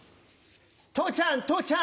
父ちゃん父ちゃん